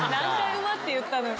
「うま」って言ったのよ